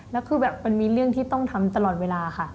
แล้วคือแบบมันมีเรื่องที่ต้องทำตลอดเวลาค่ะ